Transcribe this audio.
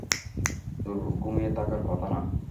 তোর ঘুমিয়ে থাকার কথা না?